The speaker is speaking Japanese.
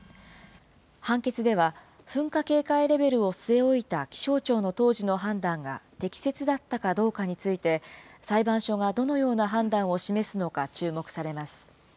判決では、噴火警戒レベルを据え置いた気象庁の当時の判断が適切だったかどうかについて、裁判所がどのような判断を示すのか注目されます。